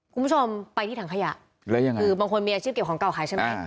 คุณผู้ชมไปที่ถังขยะแล้วยังไงคือบางคนมีอาชีพเก็บของเก่าขายใช่ไหม